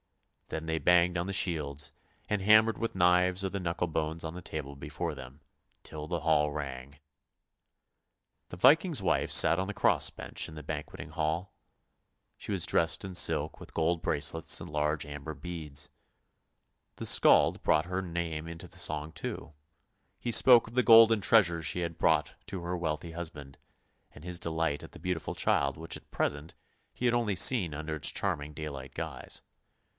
Then they banged on the shields, and hammered with knives or the knuckle bones on the table before them, till the hall rang. The Viking's wife sat on the cross bench in the banqueting hall. She was dressed in silk with gold bracelets and large amber beads. The Skald brought her name into the song too; he spoke of the golden treasure she had brought to her wealthy husband, and his delight at the beautiful child which at present 282 ANDERSEN'S FAIRY TALES he had only seen under its charming daylight guise.